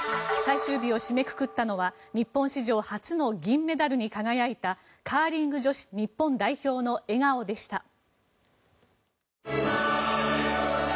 最終日を締めくくったのは日本史上初の銀メダルに輝いたカーリング女子日本代表の笑顔でした。